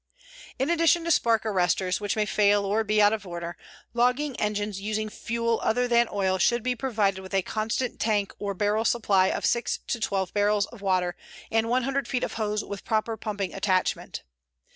In addition to spark arresters, which may fail or be out of order, logging engines using fuel other than oil should be provided with a constant tank or barrel supply of six to twelve barrels of water and 100 feet of hose with proper pumping attachment.